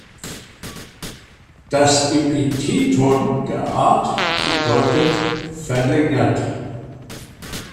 Das Epitheton der Art bedeutet "verlängert".